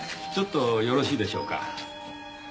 ちょっとよろしいでしょうか？